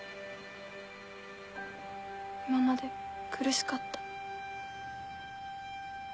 今まで苦しかった。